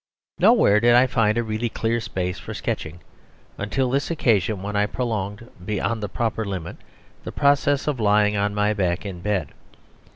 ..... Nowhere did I find a really clear space for sketching until this occasion when I prolonged beyond the proper limit the process of lying on my back in bed.